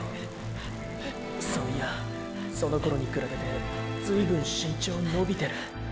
そういやその頃に比べてずい分身長伸びてる。